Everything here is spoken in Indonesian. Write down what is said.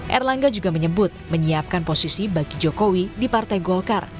erlangga juga menyebut menyiapkan posisi bagi jokowi di partai golkar